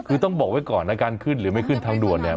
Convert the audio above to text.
คือต้องบอกไว้ก่อนนะการขึ้นหรือไม่ขึ้นทางด่วนเนี่ย